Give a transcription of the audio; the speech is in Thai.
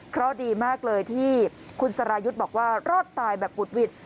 เพราะดีมากเลยที่คุณสรายุทธ์บอกว่ารอดตายแบบบุดหวิด